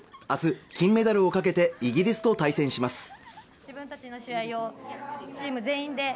明日金メダルをかけてイギリスと対戦します